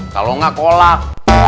kalau enggak kolak